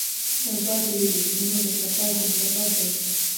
باد د ذهنونو د سفر همسفر دی